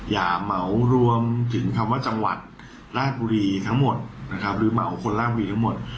เหมารวมถึงคำว่าจังหวัดราชบุรีทั้งหมดนะครับหรือเหมาคนราชบุรีทั้งหมด